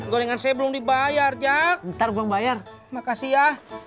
gorengan saya belum dibayar jak ntar belum bayar makasih ya